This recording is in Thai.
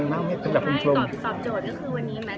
มันมากมากตรงแรกภูมิตรงตอบตอบโจทย์ก็คือวันนี้แมท